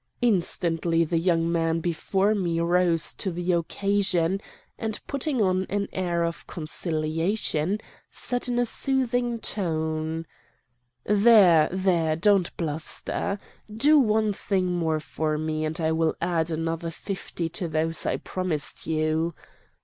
Instantly the young man before me rose to the occasion, and putting on an air of conciliation said in a soothing tone: "'There, there, don't bluster. Do one thing more for me, and I will add another fifty to those I promised you.